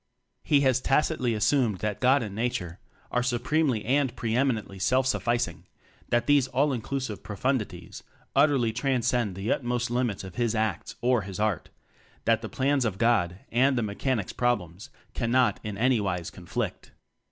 He has tacitly assumed that "God" and "Nature" are supremely and pre eminently self sufficing; that these all inclusive profundities utterly trans cend the utmost limits of his acts or his art that the "plans of God" and the Mechanic's problems cannot in anywise conflict.